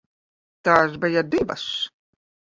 Tās bija divas.